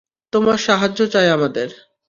তোমার সাহায্য চাই আমাদের।